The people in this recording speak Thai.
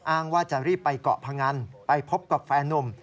อ้างว่าจะรีบไปเกาะพงันไปพบกับแฟนนุ่ม